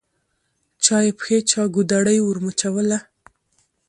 چا یې پښې چا ګودړۍ ورمچوله